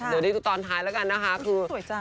เดี๋ยวดูตอนท้ายแล้วกันคือ